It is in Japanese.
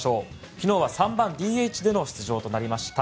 昨日は３番ＤＨでの出場となりました。